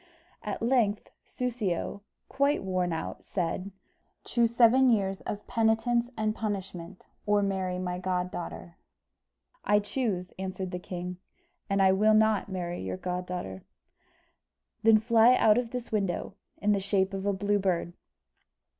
At length, Soussio, quite worn out, said, "Choose seven years of penitence and punishment, or marry my goddaughter." "I choose," answered the king; "and I will not marry your goddaughter." "Then fly out of this window, in the shape of a Blue Bird."